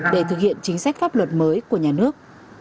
để thực hiện chính sách pháp luật mới của nhà nước